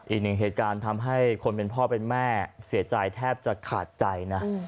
อีกหนึ่งเหตุการณ์ทำให้คนเป็นพ่อเป็นแม่เสียใจแทบจะขาดใจนะ